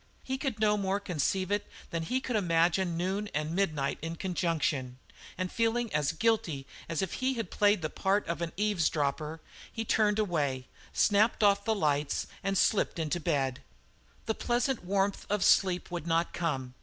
He could no more conceive it than he could imagine noon and midnight in conjunction, and feeling as guilty as if he had played the part of an eavesdropper he turned away, snapped off the lights, and slipped into bed. The pleasant warmth of sleep would not come.